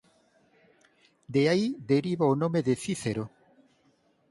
De aí deriva o nome de "cícero".